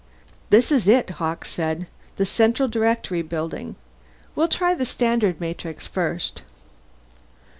"This is it," Hawkes said. "The Central Directory Building. We'll try the Standard Matrix first."